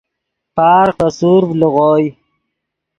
پارغ پے سورڤ لیغوئے